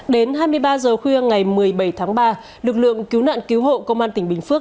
đến hai mươi ba h khuya ngày một mươi bảy tháng ba lực lượng cứu nạn cứu hộ công an tỉnh bình phước